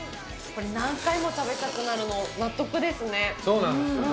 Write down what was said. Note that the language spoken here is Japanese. これ、何回も食べたくなるの、そうなんですよ。